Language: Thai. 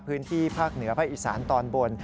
พื้นที่ภาคเหนือภาคอีสานตอนบน